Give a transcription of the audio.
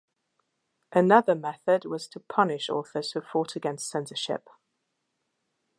Another method was to punish authors who fought against censorship.